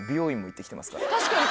確かに。